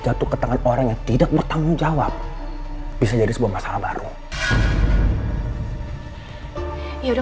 jatuh ke tangan orang yang tidak bertanggung jawab bisa jadi sebuah masalah baru ya udah